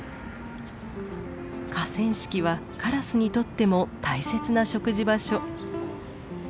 河川敷はカラスにとっても大切な食事場所。